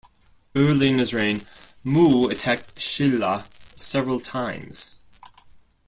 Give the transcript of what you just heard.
Early in his reign, Mu attacked Silla several times.